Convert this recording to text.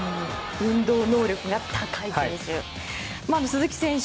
運動能力が高い選手。